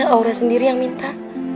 aura sendiri yang minta